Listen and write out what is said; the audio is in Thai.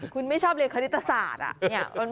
คุณไม่ชอบเรียนคณิตศาสตร์